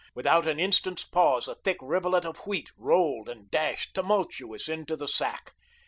Without an instant's pause, a thick rivulet of wheat rolled and dashed tumultuous into the sack.